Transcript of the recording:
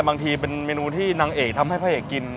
บางทีเป็นเมนูที่นางเอกทำให้พระเอกกิน